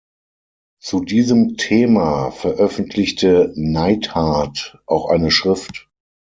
Zu diesem Thema veröffentlichte Neidhardt auch eine Schrift.